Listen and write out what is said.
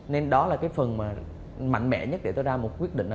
nên đó là cái phần mạnh mẽ nhất để tôi ra một quyết định